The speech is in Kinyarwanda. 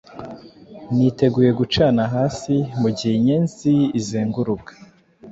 Niteguye gucana hasi, Mugihe inyenzi izenguruka